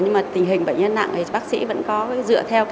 nhưng mà tình hình bệnh nhân nặng thì bác sĩ vẫn có dựa theo